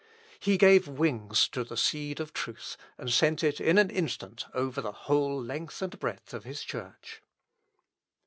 He gave wings to the seed of truth, and sent it in an instant over the whole length and breadth of his Church.